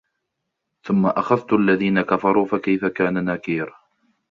ثم أخذت الذين كفروا فكيف كان نكير